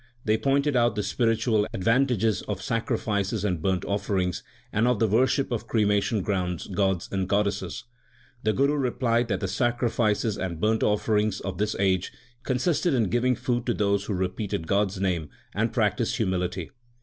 They pointed out the spiritual advantages of sacri fices and burnt offerings, and of the worship of cremation grounds, gods, and goddesses. The Guru replied that the sacrifices and burnt offerings of this age consisted in giving food to those who repeated God s name and practised humility.